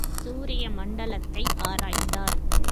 சூரிய மண்டலத்தை ஆராய்ந்தார்.